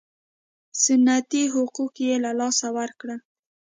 سنتي حقوق یې له لاسه ورکړل.